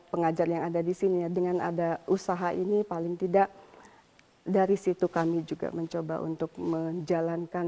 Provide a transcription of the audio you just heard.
pengajar yang ada di sini ya dengan ada usaha ini paling tidak dari situ kami juga mencoba untuk menjalankan